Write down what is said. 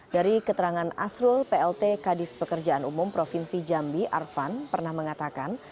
dari keterangan asrul plt kadis pekerjaan umum provinsi jambi arvan pernah mengatakan